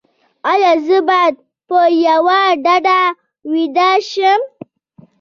ایا زه باید په یوه ډډه ویده شم؟